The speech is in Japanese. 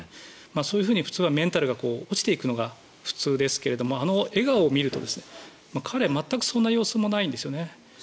そういうふうにメンタルが落ちていくのが普通ですがあの笑顔を見ると彼、全くそんな様子もないんですね。